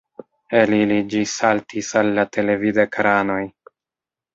El ili ĝi saltis al la televidekranoj.